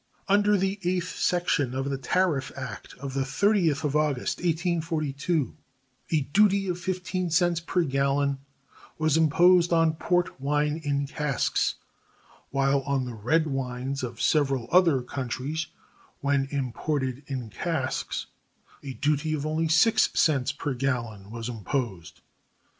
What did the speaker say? Under the eighth section of the tariff act of the 30th of August, 1842, a duty of 15 cents per gallon was imposed on port wine in casks, while on the red wines of several other countries, when imported in casks, a duty of only 6 cents per gallon was imposed.